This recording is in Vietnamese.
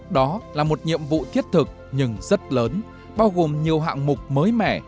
đó là một nhiệm vụ thiết thực nhưng rất lớn bao gồm nhiều hạng mục mới mẻ